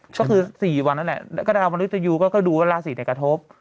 ก็คือ๔วันนั้นแหละก็ได้เอาวันอุตยุก็ดูเวลา๔ในกระทบ